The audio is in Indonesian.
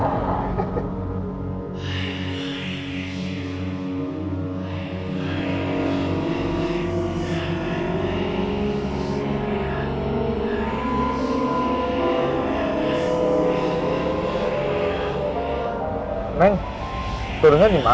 karena kita harus pergi ke